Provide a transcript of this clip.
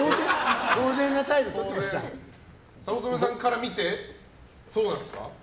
早乙女さんから見てそうなんですか？